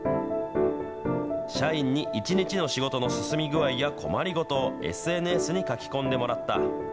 社員に一日の仕事の進み具合や困りごとをＳＮＳに書き込んでもらった。